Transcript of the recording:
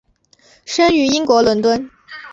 生于英国伦敦。